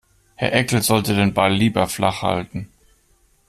Herr Eckel sollte den Ball lieber flach halten.